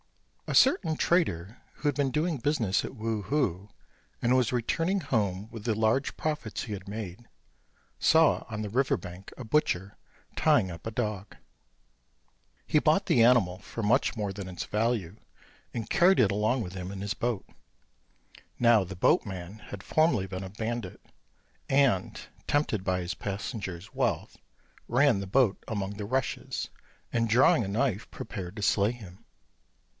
A certain trader who had been doing business at Wu hu and was returning home with the large profits he had made, saw on the river bank a butcher tying up a dog. He bought the animal for much more than its value, and carried it along with him in his boat. Now the boatman had formerly been a bandit; and, tempted by his passenger's wealth, ran the boat among the rushes, and, drawing a knife, prepared to slay him.